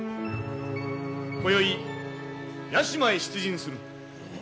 こよい屋島へ出陣する。